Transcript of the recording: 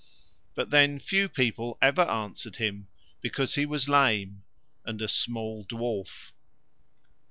But then few people ever answered him because he was lame, and a small dwarf.